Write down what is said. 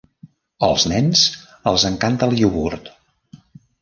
Als nens els encanta el iogurt.